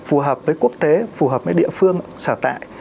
phù hợp với quốc tế phù hợp với địa phương sở tại